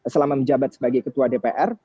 selama menjabat sebagai ketua dpr